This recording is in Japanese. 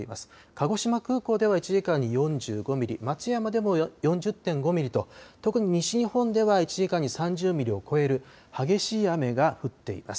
鹿児島空港では１時間に４５ミリ松山でも４０．５ミリと特に西日本では１時間に３０ミリを超える激しい雨が降っています。